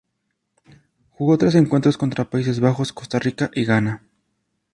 Jugó tres encuentros, contra Países Bajos, Costa Rica y Ghana.